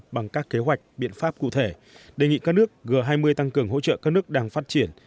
bằng các kế hoạch biện pháp cụ thể đề nghị các nước g hai mươi tăng cường hỗ trợ các nước đang phát triển